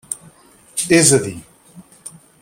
És a dir: